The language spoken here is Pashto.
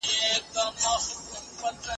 یو ګیدړ چي تر دا نورو ډېر هوښیار وو ,